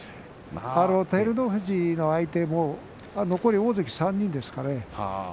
照ノ富士の相手も残り大関３人ですかね。